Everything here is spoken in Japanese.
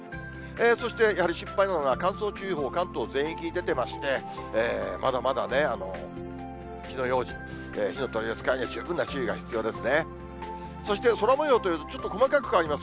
そして、やはり心配なのが乾燥注意報、関東全域に出てまして、まだまだ火の用心、火の取り扱いには十分な注意が必要ですね。